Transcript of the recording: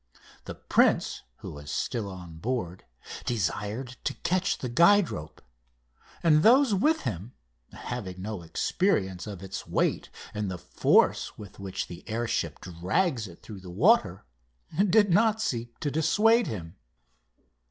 The prince, who was still on board, desired to catch the guide rope; and those with him, having no experience of its weight and the force with which the air ship drags it through the water, did not seek to dissuade him.